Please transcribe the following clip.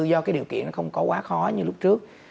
do cái điều kiện nó không có quá khó như lúc trước